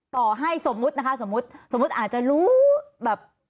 ต่อให้สมมุตินะคะสมมุติสมมุติอาจจะรู้แบบ